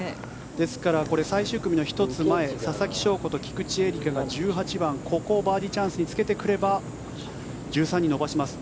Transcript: ですから最終組の１つ前ささきしょうこと菊地絵理香が１８番、ここをバーディーチャンスにつけてくれば１３に伸ばします。